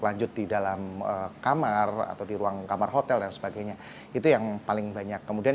lanjut di dalam kamar atau di ruang kamar hotel dan sebagainya itu yang paling banyak kemudian